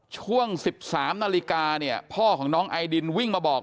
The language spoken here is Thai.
ช่วง๑๓นาฬิกาเนี่ยพ่อของน้องไอดินวิ่งมาบอก